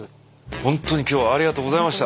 本当に今日はありがとうございました。